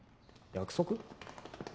約束？